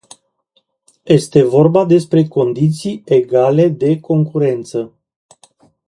Este vorba despre condiții egale de concurență.